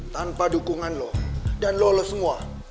tanpa dukungan lo dan lo lo semua